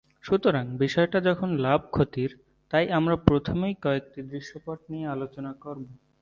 সুতরাং বিষয়টা যখন লাভ-ক্ষতির, তাই আমরা প্রথমেই কয়েকটি দৃশ্যপট নিয়ে আলোচনা করবো।